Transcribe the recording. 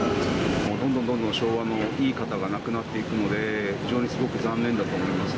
どんどんどんどん昭和のいい方が亡くなっていくので、非常にすごく残念だと思いますね。